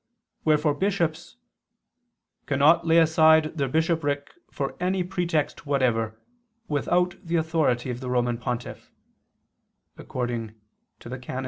Wherefore bishops "cannot lay aside their bishopric for any pretext whatever, without the authority of the Roman Pontiff" (Extra, De Regular.